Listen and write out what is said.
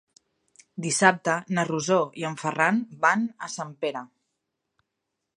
Dissabte na Rosó i en Ferran van a Sempere.